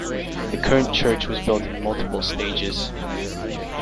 The current church was built in multiple stages.